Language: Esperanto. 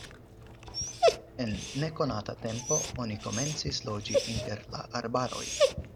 En nekonata tempo oni komencis loĝi inter la arbaroj.